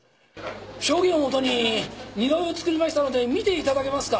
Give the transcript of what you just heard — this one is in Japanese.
証言をもとに似顔絵を作りましたので見て頂けますか？